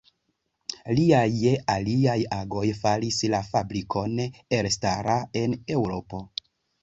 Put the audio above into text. Liaj aliaj agoj faris la fabrikon elstara en Eŭropo.